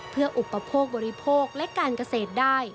เพื่ออุปโภคบริโภคและการเกษตรได้